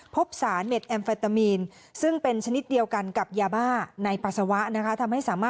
พบสารเม็ดแอมเฟตามีนซึ่งเป็นชนิดเดียวกันกับยาบ้าในปัสสาวะนะคะ